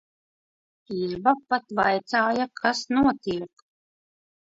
Ieva pat vaicāja, kas notiek.